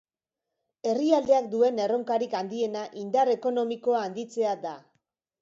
Herrialdeak duen erronkarik handiena indar ekonomikoa handitzea da.